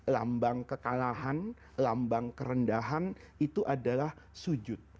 lambang kekalahan lambang kerendahan itu adalah sujud